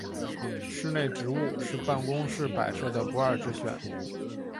室内植物是办公室摆设的不二之选。